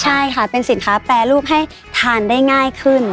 ใช่ค่ะเป็นสินค้าแปรรูปให้ทานได้ง่ายขึ้น